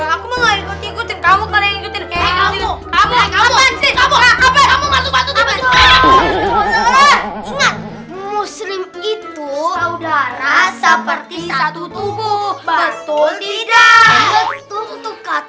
aku mau ngikutin kamu kamu kamu kamu masuk masuk muslim itu saudara seperti satu tubuh betul tidak